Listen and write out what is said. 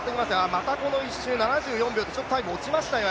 またこの１周、７４秒とタイム落ちましたね。